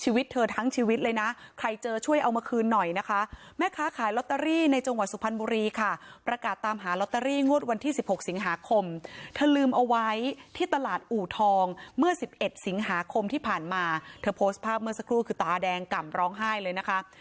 หาคมที่ผ่านมาเธอโพสต์ภาพเมื่อสักครู่คือตาแดงก่ำร้องไห้เลยนะคะ